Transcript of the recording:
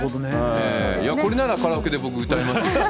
これならカラオケで僕、歌えます。